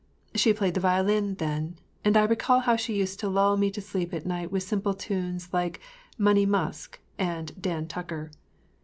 She played the violin then, and I recall how she used to lull me to sleep at night with simple tunes like “Money Musk” and “Dan Tucker.